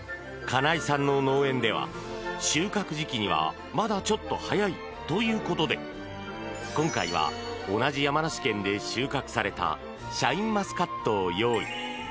金井さんの農園では収穫時期にはまだちょっと早いということで今回は、同じ山梨県で収穫されたシャインマスカットを用意。